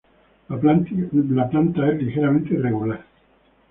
La planta es ligeramente irregular.